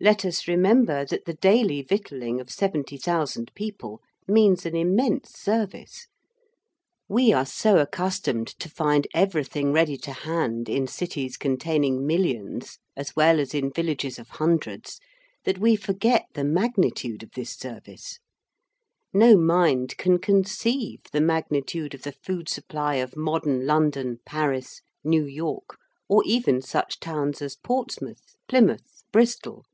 Let us remember that the daily victualling of 70,000 people means an immense service. We are so accustomed to find everything ready to hand in cities containing millions as well as in villages of hundreds, that we forget the magnitude of this service. No mind can conceive the magnitude of the food supply of modern London, Paris, New York, or even such towns as Portsmouth, Plymouth, Bristol.